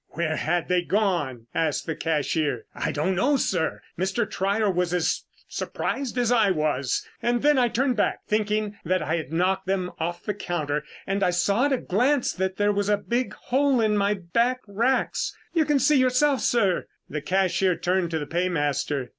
"Where had they gone?" asked the cashier. "I don't know, sir. Mr. Trier was as surprised as I was, and then I turned back, thinking that I had knocked them off the counter, and I saw at a glance that there was a big hole in my back racks. You can see yourself, sir." The cashier turned to the paymaster.